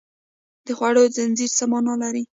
د خوړو زنځیر څه مانا لري